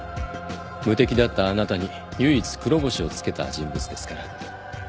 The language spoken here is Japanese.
無敵だったあなたに唯一黒星をつけた人物ですから。